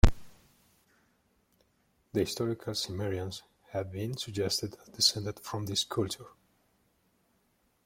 The historical Cimmerians have been suggested as descended from this culture.